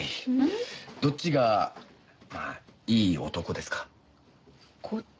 どっちがまあいい男ですか？